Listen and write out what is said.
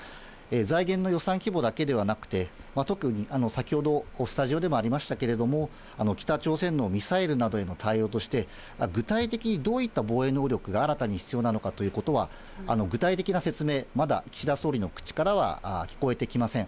財源の予算規模だけではなくて、特に先ほどスタジオでもありましたけれども、北朝鮮のミサイルなどへの対応として、具体的にどういった防衛能力が新たに必要なのかということは、具体的な説明、まだ岸田総理の口からは聞こえてきません。